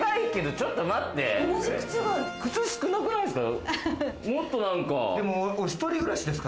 靴、少なくないですか？